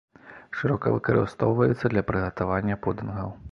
Шырока выкарыстоўваецца для прыгатавання пудынгаў.